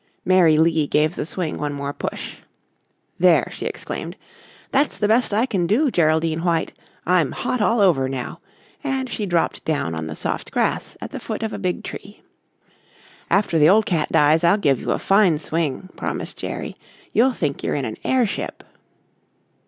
Mary Lee gave the swing one more push. "There!" she exclaimed, "that's the best I can do, Geraldine White. I'm hot all over now," and she dropped down on the soft grass at the foot of a big tree. "After the old cat dies, I'll give you a fine swing," promised Jerry. "You'll think you're in an airship."